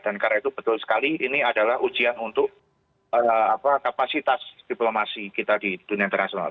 dan karena itu betul sekali ini adalah ujian untuk kapasitas diplomasi kita di dunia internasional